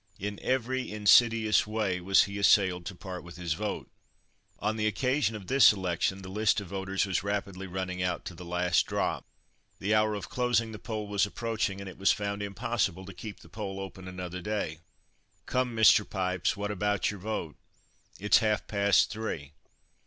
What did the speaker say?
In every insidious way was he assailed to part with his vote. On the occasion of this election the list of voters was rapidly running out to the last drop; the hour of closing the poll was approaching, and it was found impossible to keep the poll open another day. "Come, Mr. Pipes, what about your vote? it's half past three!"